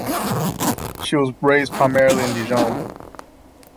She was raised primarily in Dijon.